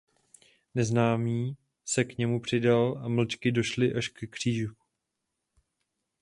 Neznámý se k němu přidal a mlčky došli až ke křížku.